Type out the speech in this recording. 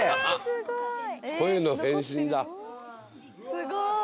すごい！